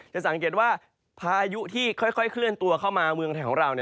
จะสังเกตว่าพายุที่ค่อยเคลื่อนตัวเข้ามาเมืองไทยของเรา